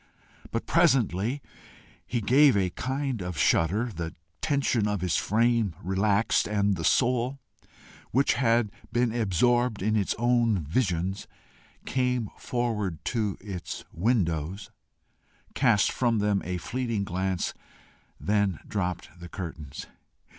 But presently he gave a kind of shudder, the tension of his frame relaxed, and the soul which had been absorbed in its own visions, came forward to its windows, cast from them a fleeting glance, then dropped the curtains.